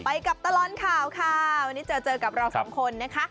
กับตลอดข่าวค่ะวันนี้เจอเจอกับเราสองคนนะคะ